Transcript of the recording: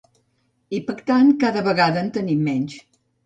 I pactant cada vegada en tenim menys.